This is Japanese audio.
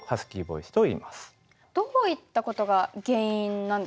どういったことが原因なんですか？